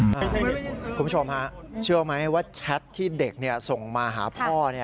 คุณผู้ชมฮะเชื่อไหมว่าแชทที่เด็กส่งมาหาพ่อ